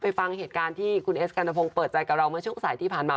ฟังเหตุการณ์ที่คุณเอสกัณฑพงศ์เปิดใจกับเราเมื่อช่วงสายที่ผ่านมา